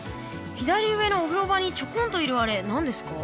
左上のお風呂場にちょこんといるあれ何ですか？